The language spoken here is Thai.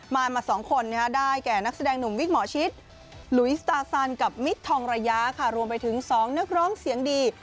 มามา๒คนได้แก่นักแสดงหนุ่มวิกหมอชิดหลุยสตาซันกับมิตรทองระยะค่ะรวมไปถึง๒นักร้องเสียงดี